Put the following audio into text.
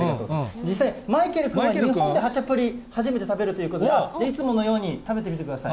実際にマイケル君は日本でハチャプリ、初めて食べるということで、いつものように食べてみてください。